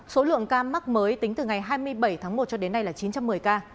số lượng ca mắc mới tính từ ngày hai mươi bảy tháng một cho đến nay là chín trăm một mươi ca